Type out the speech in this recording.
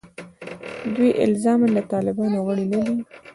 دوی الزاماً د طالبانو غړي نه دي.